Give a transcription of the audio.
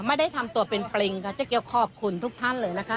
ไม่ได้ทำตัวเป็นปริงค่ะเจ๊เกียวขอบคุณทุกท่านเลยนะคะ